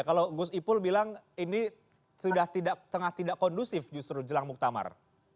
kalau gus ipul bilang ini sudah tengah tidak kondusif justru jelang muktamar